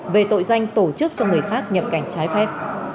về tội danh tổ chức cho người khác nhập cảnh trái phép